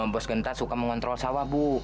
bos genta suka mengontrol sawah bu